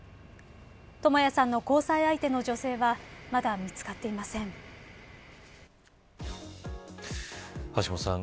智也さんの交際相手の女性はまだ見つかっていません。